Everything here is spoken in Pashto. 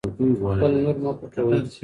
خپل نور مه پټوئ.